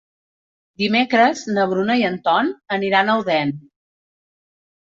Dimecres na Bruna i en Ton aniran a Odèn.